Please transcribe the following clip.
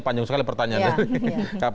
panjang sekali pertanyaannya